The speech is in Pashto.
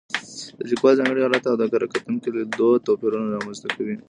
د لیکوال ځانګړی حالت او د کره کتونکي لید توپیرونه رامنځته کوي.